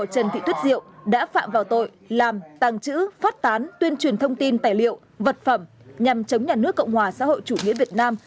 trần thị tuyết diệu đã phạm vào tội làm tàng trữ phát tán tuyên truyền thông tin tài liệu vật phẩm nhằm chống nhà nước cộng hòa xã hội chủ nghĩa việt nam